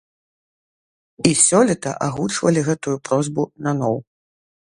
І сёлета агучвалі гэтую просьбу наноў.